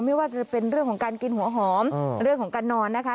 ไม่ว่าจะเป็นเรื่องของการกินหัวหอมเรื่องของการนอนนะคะ